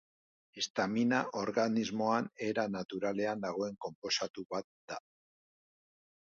Histamina organismoan era naturalean dagoen konposatu bat da.